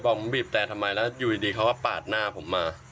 ผมบีบแต่ทำไมแล้วอยู่ดีเขาก็ปาดหน้าผมมา